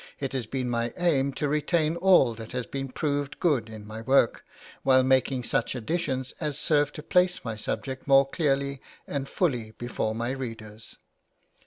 It has been my aim to retain all that had been proved good in my work, while making such additions as served to place my subject more clearly and fully before my readers.